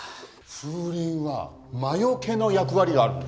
風鈴は魔除けの役割があるんです。